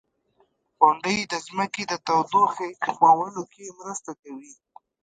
• غونډۍ د ځمکې د تودوخې کمولو کې مرسته کوي.